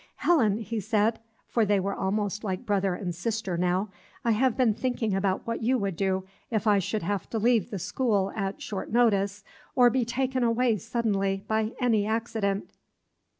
"Helen," he said, for they were almost like brother and sister now, "I have been thinking what you would do, if I should have to leave the school at short notice, or be taken away suddenly by any accident."